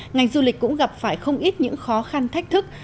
ngành du lịch cũng gặp phải không ít những khó khăn thách thức